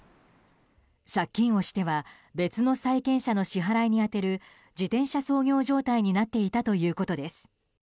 借金をしては別の債権者の支払いに充てる自転車操業状態になっていたということです。